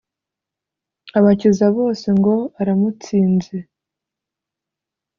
Abakiza bose ngo: "Uramutsinze,